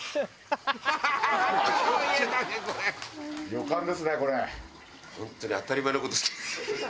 旅館ですねこれ。